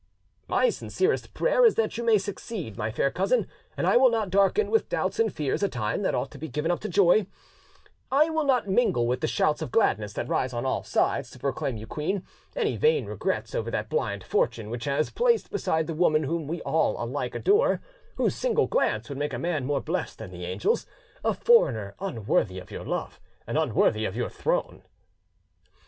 "My sincerest prayer is that you may succeed, my fair cousin, and I will not darken with doubts and fears a time that ought to be given up to joy; I will not mingle with the shouts of gladness that rise on all sides to proclaim you queen, any vain regrets over that blind fortune which has placed beside the woman whom we all alike adore, whose single glance would make a man more blest than the angels, a foreigner unworthy of your love and unworthy of your throne."